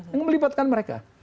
yang melibatkan mereka